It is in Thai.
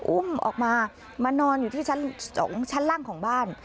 อุ้มออกมามานอนอยู่ที่ชั้น๒ชั้นล่างของบ้าน